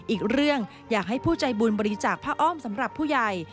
อีกเรื่องอยากให้ผู้ใจบุญบริจาคผ้าอ้อมสำหรับผู้ใหญ่